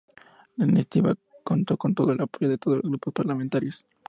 La iniciativa contó con todo el apoyo de todos los Grupos Parlamentarios.